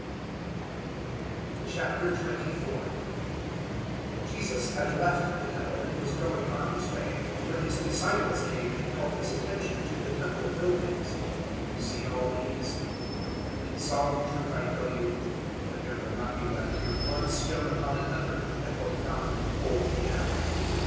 '" 024:001 Jesus had left the Temple and was going on His way, when His disciples came and called His attention to the Temple buildings. 024:002 "You see all these?" He replied; "in solemn truth I tell you that there will not be left here one stone upon another that will not be pulled down."